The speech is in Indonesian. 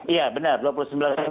iya benar dua puluh sembilan desember